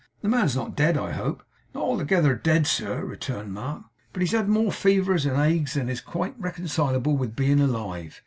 'The man's not dead, I hope?' 'Not altogether dead, sir,' returned Mark; 'but he's had more fevers and agues than is quite reconcilable with being alive.